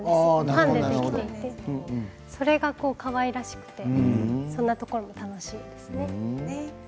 パンでできていてそれがかわいらしくてそんなところも楽しいですね。